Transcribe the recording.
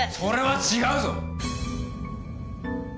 それは違うぞ！